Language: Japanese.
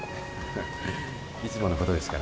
いつものことですから。